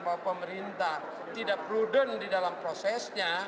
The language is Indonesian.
bahwa pemerintah tidak prudent di dalam prosesnya